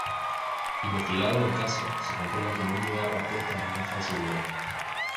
Investigado el caso se comprueba que no llevaba puestas las gafas de seguridad.